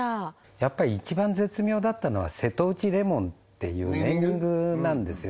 やっぱり一番絶妙だったのは瀬戸内レモンっていうネーミングなんですよ